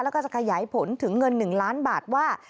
แล้วก็จะขยายผลถึงเงิน๑ล้านบาทว่า